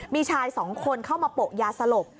มีชายสองคนเข้ามาโปะยาสลบ